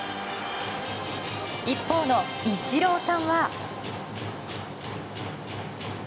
一方のイチローさんは。